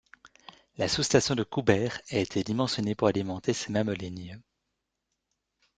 La sous-station de Coubert a été dimensionnée pour alimenter ces mêmes lignes.